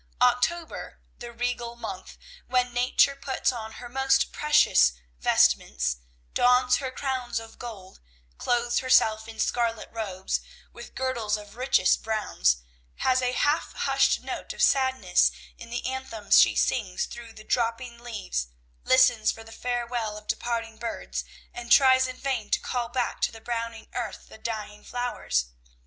October, the regal month, when nature puts on her most precious vestments, dons her crowns of gold, clothes herself in scarlet robes, with girdles of richest browns, has a half hushed note of sadness in the anthems she sings through the dropping leaves, listens for the farewell of departing birds, and tries in vain to call back to the browning earth the dying flowers.